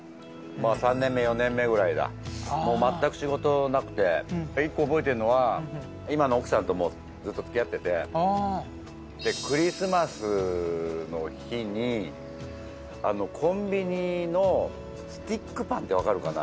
もう全く仕事なくて１個覚えてんのは今の奥さんとずっとつきあっててクリスマスの日にコンビニのスティックパンってわかるかな